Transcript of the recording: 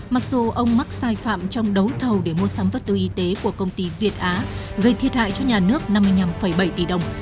mặc dù ông mắc sai phạm trong đấu thầu để mua sắm vật tư y tế của công ty việt á gây thiệt hại cho nhà nước năm mươi năm bảy tỷ đồng